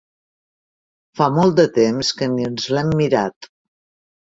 Fa molt de temps que ni ens l'hem mirat.